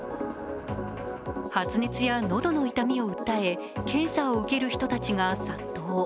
発熱や喉の痛みを訴え、検査を受ける人たちが殺到。